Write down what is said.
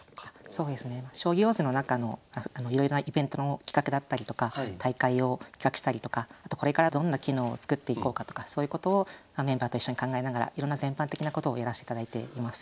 そうですね「将棋ウォーズ」の中のいろいろなイベントの企画だったりとか大会を企画したりとかあとこれからどんな機能を作っていこうかとかそういうことをメンバーと一緒に考えながらいろんな全般的なことをやらしていただいています。